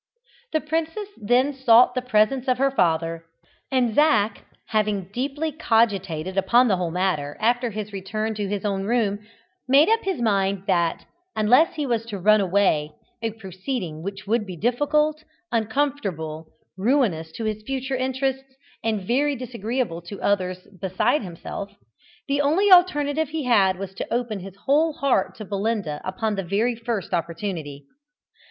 The princess then sought the presence of her father, and Zac, having deeply cogitated upon the whole matter, after his return to his own room, made up his mind that, unless he was to run away a proceeding which would be difficult, uncomfortable, ruinous to his future interests, and very disagreeable to others beside himself the only alternative he had was to open his whole heart to Belinda upon the very first opportunity.